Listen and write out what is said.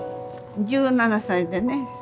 １７歳でね